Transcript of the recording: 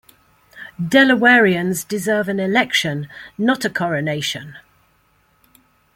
Delawareans deserve an election, not a coronation.